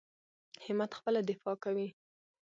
همت خپله دفاع کوي.